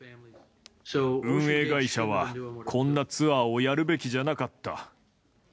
運営会社は、こんなツアーをやるべきじゃなかった。